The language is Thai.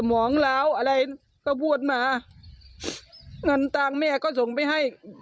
หมองล้าวอะไรก็พูดมาเงินตังค์แม่ก็ส่งไปให้